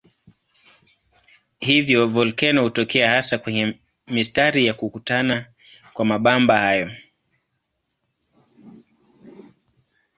Hivyo volkeno hutokea hasa kwenye mistari ya kukutana kwa mabamba hayo.